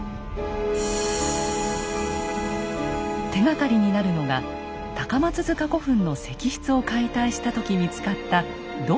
手がかりになるのが高松塚古墳の石室を解体した時見つかった土器です。